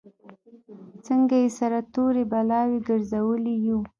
څنګه یې سره تورې بلاوې ګرځولي یو.